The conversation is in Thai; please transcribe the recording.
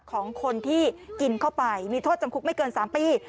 ของคนที่กินเข้าไปมีโทษจำคุกไม่เกิน๓ปี